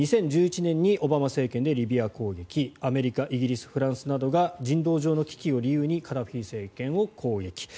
２０１１年にオバマ政権でリビア攻撃アメリカ、イギリスフランスなどが人道上の危機を理由にカダフィ政権を攻撃。